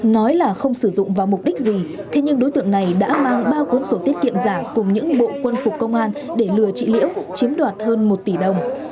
nói là không sử dụng vào mục đích gì thế nhưng đối tượng này đã mang ba cuốn sổ tiết kiệm giả cùng những bộ quân phục công an để lừa chị liễu chiếm đoạt hơn một tỷ đồng